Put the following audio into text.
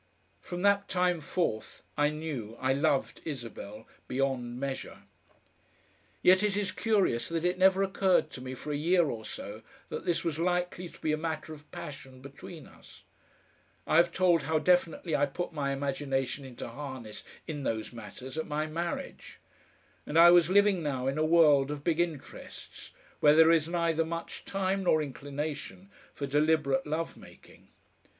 From that time forth I knew I loved Isabel beyond measure. Yet it is curious that it never occurred to me for a year or so that this was likely to be a matter of passion between us. I have told how definitely I put my imagination into harness in those matters at my marriage, and I was living now in a world of big interests, where there is neither much time nor inclination for deliberate love making.